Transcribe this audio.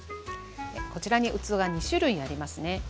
こちらに器が２種類ありますね。